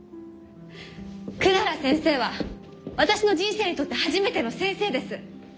クララ先生は私の人生にとって初めての先生です。